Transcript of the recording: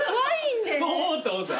「おお」って思った？